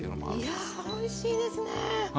いやおいしいですね。